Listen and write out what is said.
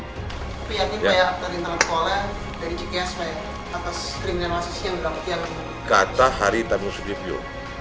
kata hari tamu sudir yo